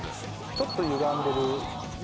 ちょっとゆがんでる。